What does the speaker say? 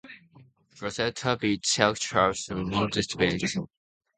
Gloucester beat Sale Sharks to win the Plate.